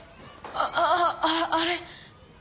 あああれ？